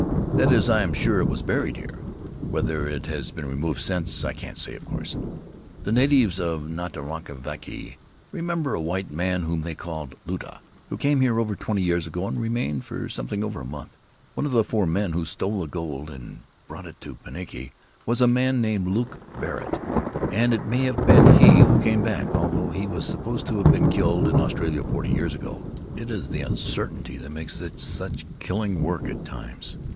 That is, I am sure it was buried here. Whether it has Faery Lands of the South Seas been removed since, I can't say, of course. The natives at Nukatavake remember a white man whom they called Luta, who came here about twenty years ago and remained for something over a month. One of the four men who stole the gold and brought it to Pinaki was a man named Luke Barrett, and it may have been he who came back, although he was supposed to have been killed in Australia forty years ago. It is the uncertainty which makes this such killing work at times.